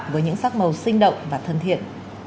với những sắc màu sinh động và thân thiện